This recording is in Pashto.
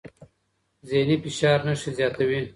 ذهني فشار نښې زیاتوي.